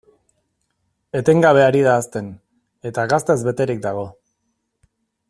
Etengabe ari da hazten, eta gaztez beterik dago.